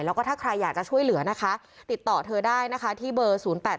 แล้วก็ถ้าใครอยากจะช่วยเหลือนะคะติดต่อเธอได้นะคะที่เบอร์๐๘๘